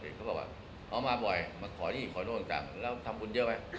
เขาบอกว่าเขามาบ่อยมาขอนี่ขอโน่นจังแล้วทำบุญเยอะไหม